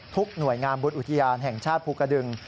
หน่วยงามบนอุทยานแห่งชาติภูกระดึง